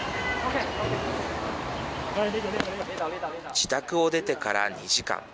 自宅を出てから２時間。